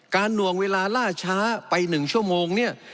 การหน่วงเวลาล่าช้าไปหนึ่งชั่วโมงเนี่ย